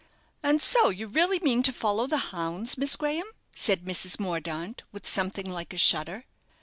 "And so you really mean to follow the hounds, Miss Graham?" said Mrs. Mordaunt, with something like a shudder.